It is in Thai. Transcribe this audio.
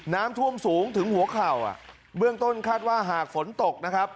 น้ำท่วมสูงถึงหัวเข่าอ่ะเบื้องต้นคาดว่าหากฝนตกนะครับ